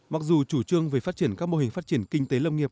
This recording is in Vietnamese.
mặc dù chủ trương về phát triển các mô hình phát triển kinh tế lâm nghiệp